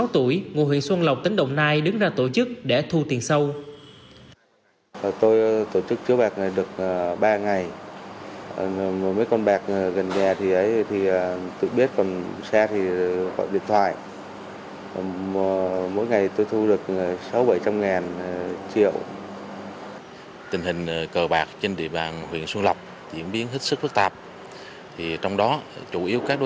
ba mươi sáu tuổi ngụ huyện xuân lọc tỉnh đồng nai đứng ra tổ chức để thu tiền sâu